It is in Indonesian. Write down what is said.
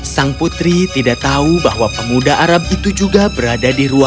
sang putri tidak tahu bahwa pemuda arab itu juga berada di ruangan